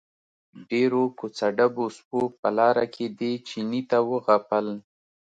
ډېرو کوڅه ډبو سپو په لاره کې دې چیني ته وغپل.